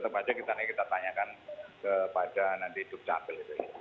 tapi tetap saja kita tanyakan kepada nanti duk capil